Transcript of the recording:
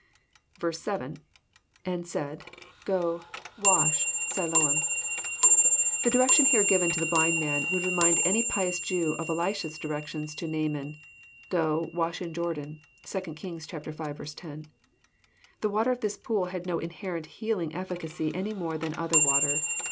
7. — And 8aid,..Go, wa8h„. Siloam.'] The direction here given to the blind man would remind any pious Jew of Elisha's directions to Naaman, <* Go, wash in Jordan." (2 Kings v. 10.) The water of this pool had no inherent healing efficacy any more than other water.